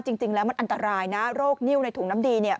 จริงแล้วมันอันตรายนะโรคนิ้วในถุงน้ำดีเนี่ย